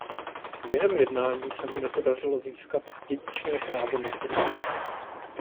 Během jednání se mu nepodařilo získat dědičné právo na trůn.